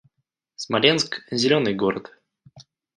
Смоленск — зелёный город